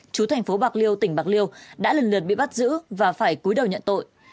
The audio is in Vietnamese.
chú thành phố bạc liêu tỉnh bạc liêu đã lần lượt bị bắt giữ và phải cuối đầu nhận tội